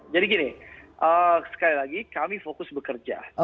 jadi gini sekali lagi kami fokus bekerja